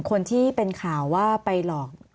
คนที่เป็นข่าวว่าไปหลอก